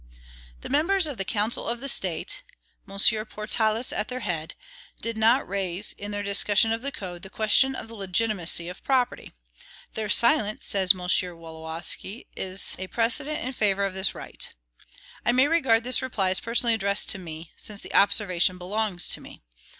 The members of the Council of the State M. Portalis at their head did not raise, in their discussion of the Code, the question of the legitimacy of property. "Their silence," says M. Wolowski, "is a precedent in favor of this right." I may regard this reply as personally addressed to me, since the observation belongs to me.